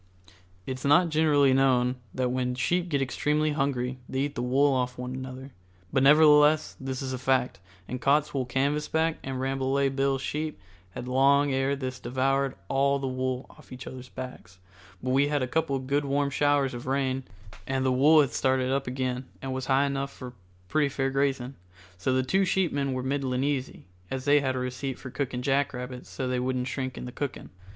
It's not generally known that when sheep get extremely hungry they eat the wool off one another, but nevertheless this is a fact, and Cottswool Canvasback and Rambolet Bill's sheep had long ere this devoured all the wool off each other's backs, but we had had a couple good warm showers of rain and the wool had started up again and was high enough for pretty fair grazing, so the two sheepmen were middlin' easy, as they had a receipt for cooking jackrabbits so they wouldn't shrink in the cooking.